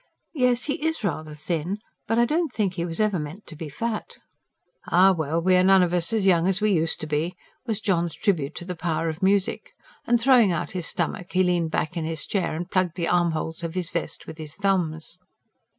"Yes, he IS rather thin. But I don't think he was ever meant to be fat." "Ah well! we are none of us as young as we used to be," was John's tribute to the power of music. And throwing out his stomach, he leaned back in his chair and plugged the armholes of his vest with his thumbs.